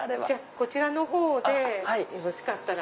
こちらのほうでよろしかったら。